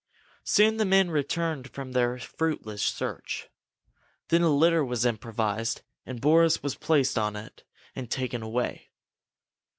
Soon the men returned from their fruitless search. Then a litter was improvised and Boris was placed upon it and taken away.